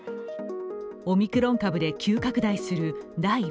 オミクロン株で急拡大する第